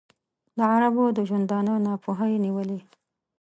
د عربو د ژوندانه ناپوهۍ نیولی.